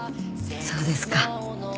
そうですか。